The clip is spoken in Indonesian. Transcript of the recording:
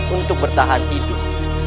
untuk bertahan hidup